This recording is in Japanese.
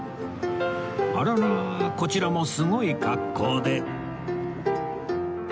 あらららこちらもすごい格好で